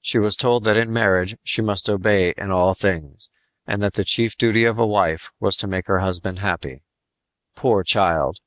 She was told that in marriage she must obey in all things, and that the chief duty of a wife was to make her husband happy. Poor child!